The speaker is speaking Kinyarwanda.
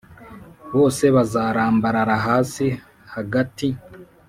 bose bazarambarara hasi hagati